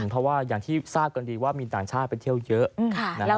เพราะว่าอย่างที่ทราบกันดีว่ามีต่างชาติไปเที่ยวเยอะนะครับ